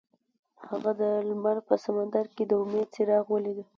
هغه د لمر په سمندر کې د امید څراغ ولید.